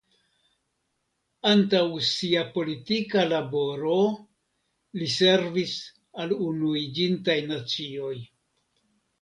Antaŭ sia politika laboro li servis al Unuiĝintaj Nacioj.